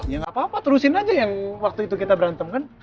ya gapapa terusin aja yang waktu itu kita berantem kan